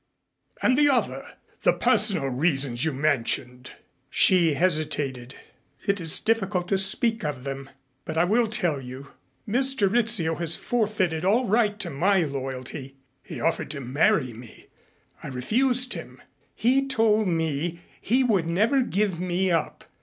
And the other the personal reasons you mentioned." She hesitated. "It is difficult to speak of them but I will tell you. Mr. Rizzio has forfeited all right to my loyalty. He offered to marry me. I refused him. He told me he would never give me up.